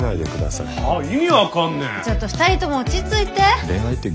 ちょっと２人とも落ち着いて！